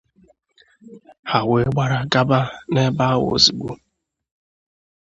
ha wee gbara gaba n'ebe ahụ ozigbo